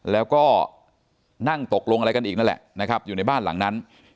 แล้วก็นั่งตกลงอะไรกันอีกนั่นแหละนะครับอยู่ในบ้านหลังนั้น